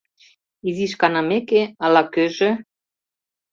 Изиш канымеке, ала-кӧжӧ